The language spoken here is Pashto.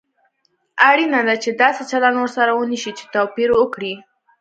اړینه ده چې داسې چلند ورسره ونشي چې توپير وکړي.